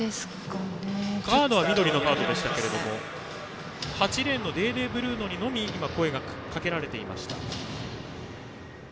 緑のカードでしたが８レーンのデーデー・ブルーノにのみ今、声がかけられていました。